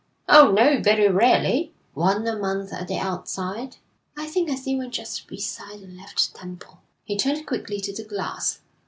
'Oh, no, very rarely; one a month at the outside.' 'I think I see one just beside the left temple.' He turned quickly to the glass.